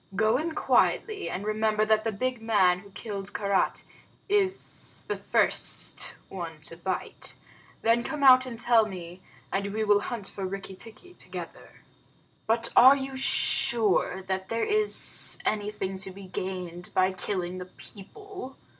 Go in quietly, and remember that the big man who killed Karait is the first one to bite. Then come out and tell me, and we will hunt for Rikki tikki together." "But are you sure that there is anything to be gained by killing the people?"